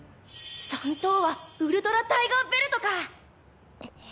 三等はウルトラタイガーベルトか。